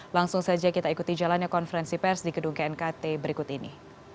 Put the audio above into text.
langsung saja kita ikuti jalannya konferensi pers di gedung knkt berikut ini